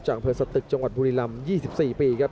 จังเผยสตึกจังหวัดบุรีรัมยี่สิบสี่ปีครับ